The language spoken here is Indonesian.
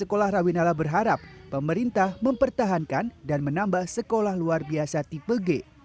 sekolah rawinala berharap pemerintah mempertahankan dan menambah sekolah luar biasa tipe g